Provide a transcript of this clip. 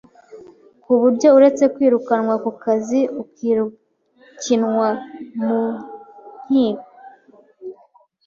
ku buryo uretse kwirukanwa ku kazi ukurikinwa no munkiko